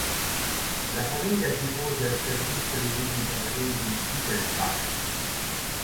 La famiglia si pose al servizio dei duchi bavaresi Wittelsbach.